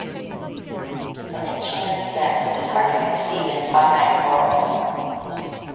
Infinite chain of events is hard to conceive in finite world.